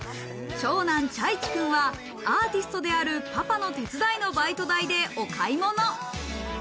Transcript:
長男・チャイチくんはアーティストであるパパの手伝いのバイト代でお買い物。